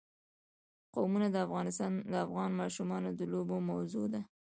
قومونه د افغان ماشومانو د لوبو موضوع ده.